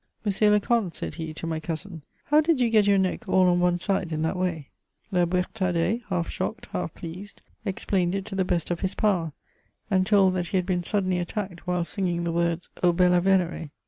^* Monsieur le comte," said he to my cousin, '^ how did you g^t your neck all on one side in that way ?" La Bouetardais, half shocked, half pleased, explained it to the best of his power, and told that he had been suddenly at tacked while singing the words, O belkt Venere !